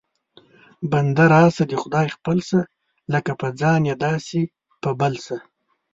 بنده راشه د خدای خپل شه، لکه په ځان یې داسې په بل شه